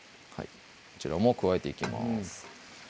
こちらも加えていきます